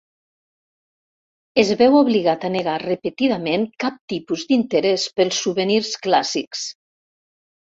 Es veu obligat a negar repetidament cap tipus d'interès pels souvenirs clàssics.